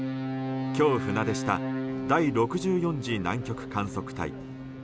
今日船出した第６４次南極観測隊。